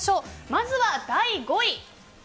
まずは、第５位。